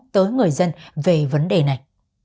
tới người dân về vấn đề này